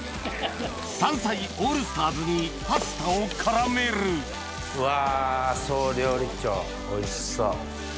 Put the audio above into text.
山菜オールスターズにパスタを絡めるうわ総料理長おいしそう。